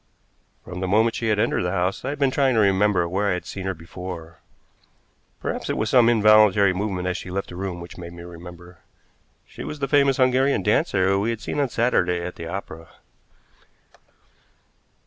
From the moment she had entered the house I had been trying to remember where I had seen her before. Perhaps it was some involuntary movement as she left the room which made me remember. She was the famous Hungarian dancer we had seen on Saturday at the opera.